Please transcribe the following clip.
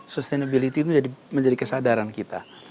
sustainability itu menjadi kesadaran kita